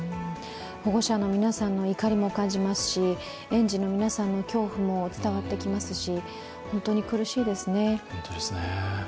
保護者の皆さんの怒りも感じますし、園児の皆さんの恐怖も伝わってきますし、本当に苦しいですね。